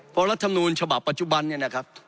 เพราะรัฐมนูลฉบับปัจจุบันเนี่ยนะครับ